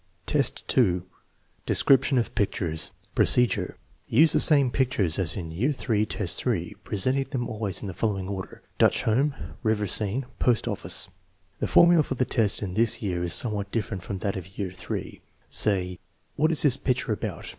VII, 2. Description of pictures Procedure. Use the same pictures as in III, 3, presenting them always in the following order: Dutch Home, River Scene, Post Office. The formula for the test in this year is somewhat different from that of year III. Say: " What is this picture about